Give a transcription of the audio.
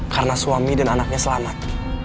karena suami dan anaknya selamat